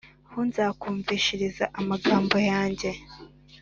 ho nzakumvishiriza amagambo yanjye